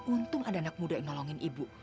untung ada anak muda yang nolongin ibu